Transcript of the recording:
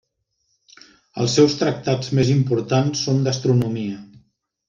Els seus tractats més importants són d'astronomia.